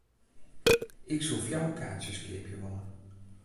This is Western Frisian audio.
Ik soe fjouwer kaartsjes keapje wolle.